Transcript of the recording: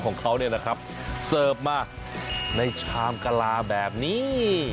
ของเขาเนี่ยนะครับเสิร์ฟมาในชามกะลาแบบนี้